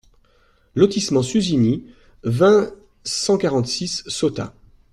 Lotissement Susini, vingt, cent quarante-six Sotta